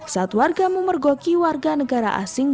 saat warga memergoki warga negara asing